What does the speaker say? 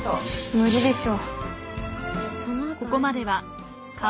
無理でしょ。